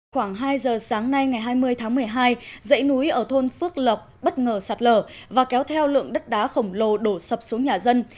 khoảng hai giờ sáng nay ngày hai mươi tháng một mươi hai dãy núi ở thôn phước lộc bất ngờ sạt lở và kéo theo lượng đất đá khổng lồ đổ sập xuống nhà dân